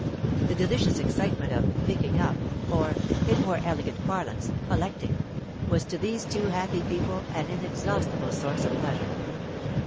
The delicious excitement of "picking up," or, in more elegant parlance, "collecting," was to these two happy people an inexhaustible source of pleasure.